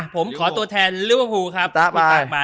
ผมขอตัวแทนฤวบภูครับ